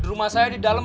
rumah saya di dalam